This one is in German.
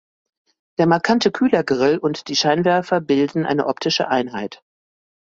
Der markante Kühlergrill und die Scheinwerfer bilden eine optische Einheit.